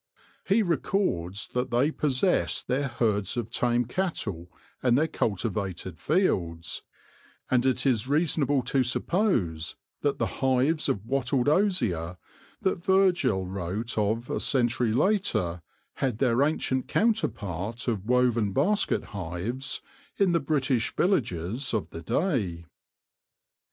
He records that they possessed their herds of tame cattle and their cultivated fields ; and it is reasonable to suppose that the hives of wattled osier that Virgil wrote of a century later had their ancient counterpart of woven basket hives in the British villages of the day.